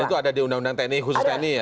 dan itu ada di undang undang tni khusus tni ya